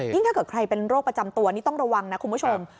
ถ้าเกิดใครเป็นโรคประจำตัวนี่ต้องระวังนะคุณผู้ชม